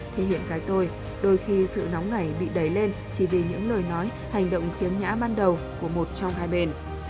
thể hiện cái tôi đôi khi sự nóng này bị đẩy lên chỉ vì những lời nói hành động khiếm nhã ban đầu của một trong hai bên